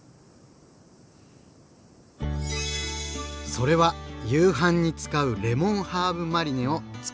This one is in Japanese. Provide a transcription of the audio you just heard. それは夕飯に使う「レモンハーブマリネ」をつくっておくこと。